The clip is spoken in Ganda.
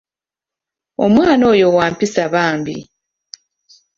Omwana oyo wa mpisa bambi!